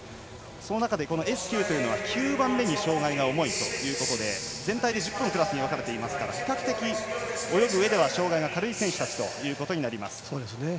その中でＳ９は９番目に障がいが重いということで全体で１０個のクラスに分かれていますから比較的泳ぐうえでは障がいが軽い選手たちです。